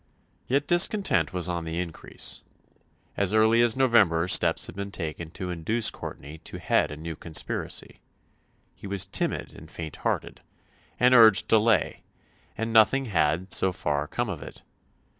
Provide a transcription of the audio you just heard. Yet discontent was on the increase. As early as November steps had been taken to induce Courtenay to head a new conspiracy. He was timid and faint hearted, and urged delay, and nothing had, so far, come of it.